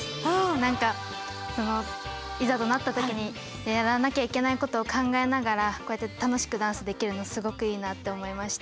何かそのいざとなった時にやらなきゃいけないことを考えながらこうやって楽しくダンスできるのすごくいいなって思いました。